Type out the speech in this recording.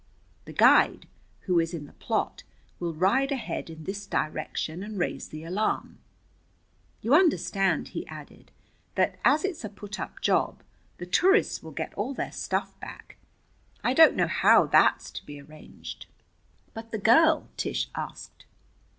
The guide, who is in the plot, will ride ahead in this direction and raise the alarm. You understand," he added, "that as it's a put up job, the tourists will get all their stuff back. I don't know how that's to be arranged." "But the girl?" Tish asked.